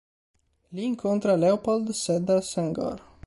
Lì incontra Léopold Sédar Senghor.